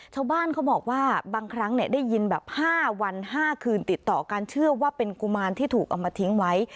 ชาวบ้านเขาบอกว่าบางครั้งได้ยินแบบ๕วัน๕คืนติดต่อกันเชื่อว่าเป็นกุมารที่ถูกเอามาทิ้งไว้